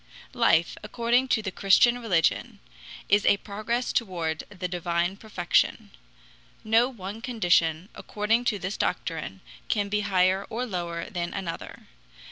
Life, according to the Christian religion, is a progress toward the divine perfection. No one condition, according to this doctrine, can be higher or lower than another.